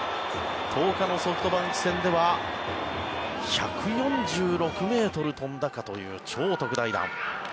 １０日のソフトバンク戦では１４６ｍ飛んだかという超特大弾。